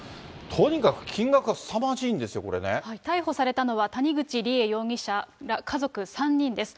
とにかく金額がすさまじいんです逮捕されたのは、谷口梨恵容疑者ら家族３人です。